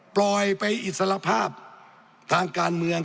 ปล่อยไปอิสระภาพทางการเมือง